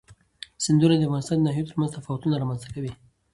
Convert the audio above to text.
سیندونه د افغانستان د ناحیو ترمنځ تفاوتونه رامنځ ته کوي.